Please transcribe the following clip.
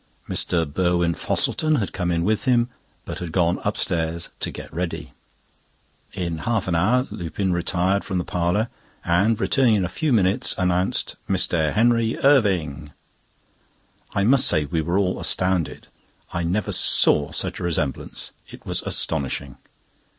Mr. Burwin Fosselton had come in with him, but had gone upstairs to get ready. In half an hour Lupin retired from the parlour, and returning in a few minutes, announced "Mr. Henry Irving." I must say we were all astounded. I never saw such a resemblance. It was astonishing.